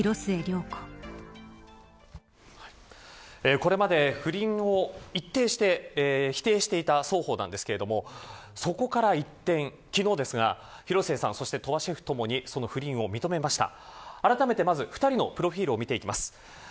これまで不倫を否定していた双方なんですがそこから一転昨日ですが広末さんと鳥羽シェフともに不倫を認めました。